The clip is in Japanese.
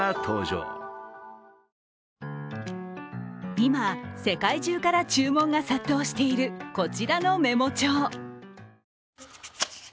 今、世界中から注文が殺到しているこちらのメモ帳。